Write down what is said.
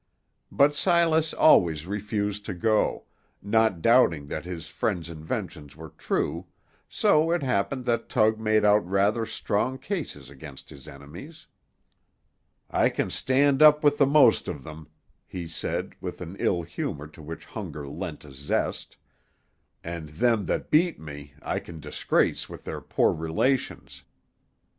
But Silas always refused to go, not doubting that his friend's inventions were true, so it happened that Tug made out rather strong cases against his enemies. "I can stand up with the most of them," he said, with an ill humor to which hunger lent a zest; "and them that beat me, I can disgrace with their poor relations.